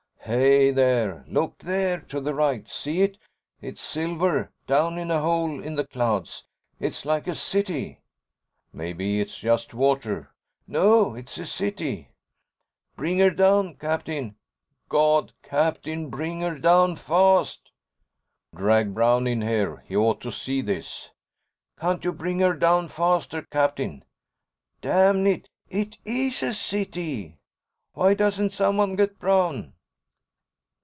"Hey, there! Look there, to the right! See it? It's silver, down in a hole in the clouds. It's like a city!" "Maybe it's just water." "No, it's a city!" "Bring 'er down, Captain. God, Captain, bring 'er down fast!" "Drag Brown in here! He ought to see this!" "Can't you bring 'er down faster, Captain?" "Damn it, it is a city!" "Why doesn't someone get Brown?"